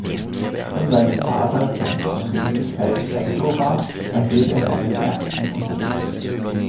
Von seinem Vater, der in Königsfeld Rektor war, erhielt er seinen ersten Unterricht.